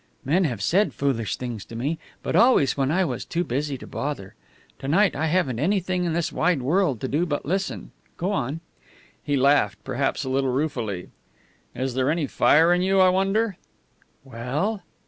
"Men have said foolish things to me, but always when I was too busy to bother. To night I haven't anything in this wide world to do but listen. Go on." He laughed, perhaps a little ruefully. "Is there any fire in you, I wonder?" "Well?"